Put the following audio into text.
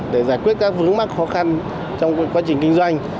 để giải quyết các vướng mắc khó khăn trong quá trình kinh doanh